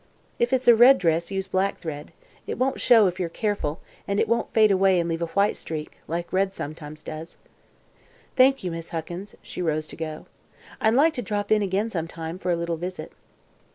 "If it's a red dress, use black thread. It won't show, if you're careful; and it won't fade away and leave a white streak, like red sometimes does." "Thank you, Miss Huckins." She rose to go. "I'd like to drop in again, sometime, for a little visit."